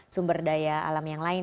sumber daya alam yang lain